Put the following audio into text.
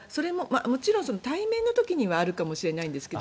もちろん、対面の時にはあるかもしれないんですけど